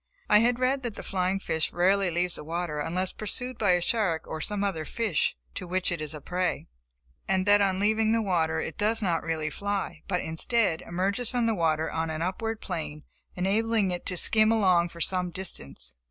I had read that the flying fish rarely leaves the water unless pursued by a shark or some other fish to which it is a prey; and that, on leaving the water it does not really fly, but, instead, emerges from the water on an upward plane, enabling it to skim along for some distance.